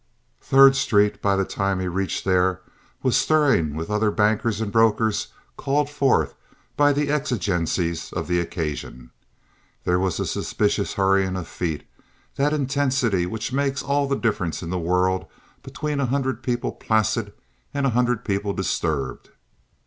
Third Street, by the time he reached there, was stirring with other bankers and brokers called forth by the exigencies of the occasion. There was a suspicious hurrying of feet—that intensity which makes all the difference in the world between a hundred people placid and a hundred people disturbed.